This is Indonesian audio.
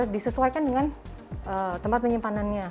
disesuaikan dengan tempat penyimpanannya